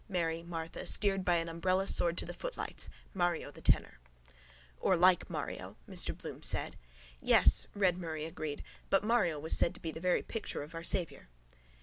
Mary, Martha. Steered by an umbrella sword to the footlights: Mario the tenor. —Or like Mario, Mr Bloom said. —Yes, Red Murray agreed. But Mario was said to be the picture of Our Saviour.